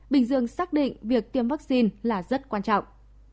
bình dương xác định việc tiêm vaccine là rất quan trọng